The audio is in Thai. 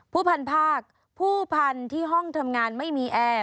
ผู้พันภาคผู้พันธุ์ที่ห้องทำงานไม่มีแอร์